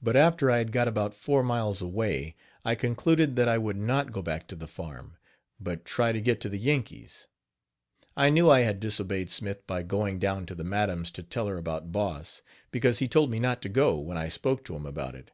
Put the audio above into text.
But after I had got about four miles away, I concluded that I would not go back to the farm, but try to get to the Yankees. I knew I had disobeyed Smith by going down to the madam's to tell her about Boss, because he told me not to go when I spoke to him about it.